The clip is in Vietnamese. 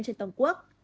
trên toàn quốc